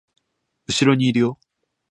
後ろにいるよ